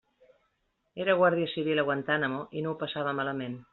Era guàrdia civil a Guantánamo i no ho passava malament.